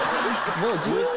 もう。